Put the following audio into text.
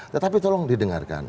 tetapi tolong didengarkan